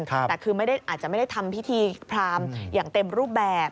แต่คือไม่ได้อาจจะไม่ได้ทำพิธีพรามอย่างเต็มรูปแบบ